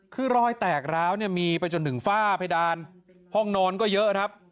คือรอยแตกร้าวเนี่ยมีไปจนถึงฝ้าเพดานห้องนอนก็เยอะครับ